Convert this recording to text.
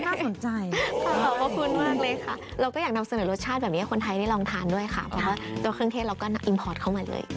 ขอบพระคุณมากเลยค่ะเราก็อยากนำเสนอรสชาติแบบนี้ให้คนไทยได้ลองทานด้วยค่ะเพราะว่าตัวเครื่องเทศเราก็อิมพอร์ตเข้ามาเลย